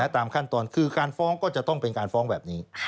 ตามขั้นตอนคือการฟ้องก็จะต้องเป็นการฟ้องแบบนี้